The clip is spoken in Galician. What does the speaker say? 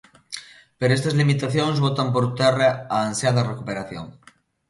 Pero estas limitacións botan por terra a ansiada recuperación.